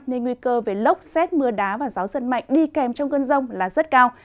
nên nguy cơ về lốc xét mưa đá và gió giật mạnh đi kèm trong cơn rông là rất cao